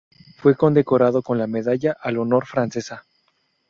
Fue condecorado con la Medalla al Honor francesa.